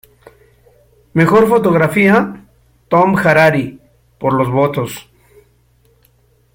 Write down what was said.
Mejor Fotografía: Tom Harari, por Los votos.